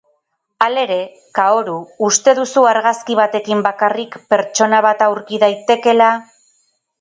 Halere, Kaoru, uste duzu argazki batekin bakarrik pertsona bat aurki daitekeela?